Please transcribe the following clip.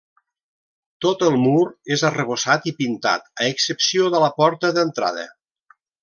Tot el mur és arrebossat i pintat, a excepció de la porta d'entrada.